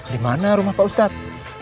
dimana rumah pak ustad